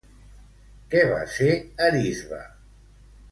Què va ser Arisbe?